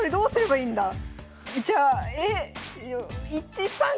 これはどうすればいいんだ